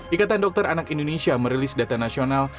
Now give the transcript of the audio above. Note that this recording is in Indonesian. ikatan dokter anak indonesia merilis data nasional